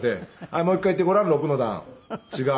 「はいもう一回言ってごらん６の段」。